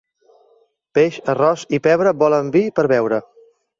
Peix, arròs i pebre volen vi per beure.